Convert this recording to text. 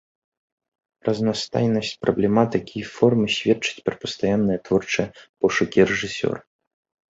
Разнастайнасць праблематыкі і формы сведчыць пра пастаянныя творчыя пошукі рэжысёра.